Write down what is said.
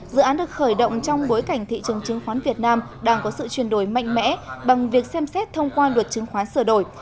dự án được khởi động trong bối cảnh thị trường chứng khoán việt nam đang có sự chuyển đổi mạnh mẽ bằng việc xem xét thông qua luật chứng khoán sửa đổi